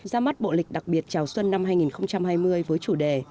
ra mắt bộ lịch đặc biệt chào xuân năm hai nghìn hai mươi với chủ đề